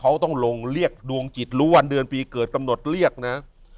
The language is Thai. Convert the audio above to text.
เขาต้องลงเรียกดวงจิตรู้วันเดือนปีเกิดกำหนดเรียกนะ